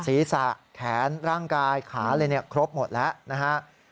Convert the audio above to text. ศีรษะแขนร่างกายขาครบหมดแล้วนะครับ